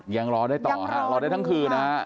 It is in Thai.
ยังรอได้ต่อฮะรอได้ทั้งคืนนะฮะ